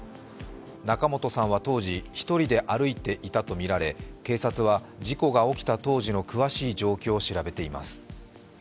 仲本さんは当時、１人で歩いていたとみられ警察は事故が起きた当時の詳しい状況を調べています。